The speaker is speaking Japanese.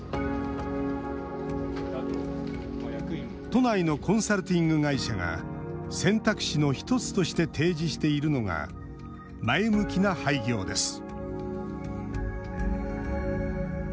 都内のコンサルティング会社が選択肢の１つとして提示しているのが前向きな廃業です